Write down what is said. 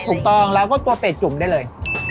ถูกต้องแล้วก็ตัวเป็ดจุ่มได้เลย